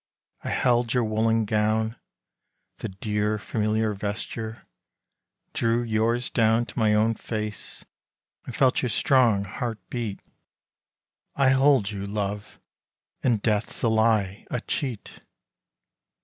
" I held your woollen gown, The dear familiar vesture, drew yours down To my own face and felt your strong heart beat. " I hold you, love, and Death's a lie, a cheat